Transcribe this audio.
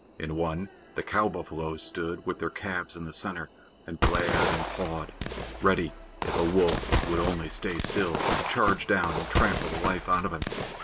In one, the cow buffaloes stood with their calves in the center, and glared and pawed, ready, if a wolf would only stay still, to charge down and trample the life out of him.